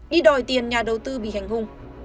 đi đòi tiền nhà đầu tư bị hành hung